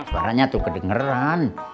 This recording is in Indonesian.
suaranya tuh kedengeran